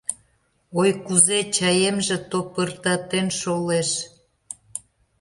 Ой, кузе чаемже топыртатен шолеш?